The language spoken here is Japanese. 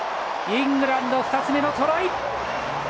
イングランド、２つ目のトライ！